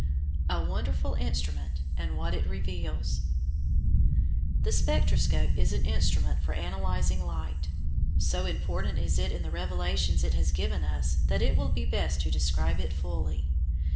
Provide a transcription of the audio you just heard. A WONDERFUL INSTRUMENT AND WHAT IT REVEALS The spectroscope is an instrument for analysing light. So important is it in the revelations it has given us that it will be best to describe it fully.